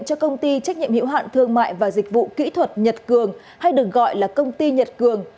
cho công ty trách nhiệm hiệu hạn thương mại và dịch vụ kỹ thuật nhật cường hay được gọi là công ty nhật cường